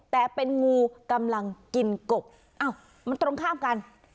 แต่เป็นงูกำลังกินกบอ้าวมันตรงข้ามกัน